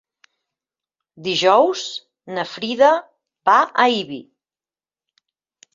Dijous na Frida va a Ibi.